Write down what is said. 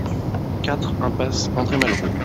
quatre impasse André Malraux